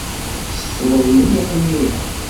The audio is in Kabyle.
Ssefled mliḥ imir-a.